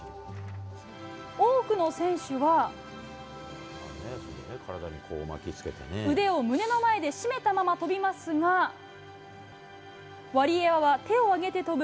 多くの選手は腕を胸の前で締めたまま跳びますがワリエワは手を上げて跳ぶ